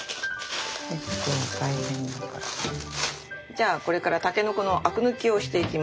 じゃあこれからたけのこのアク抜きをしていきます。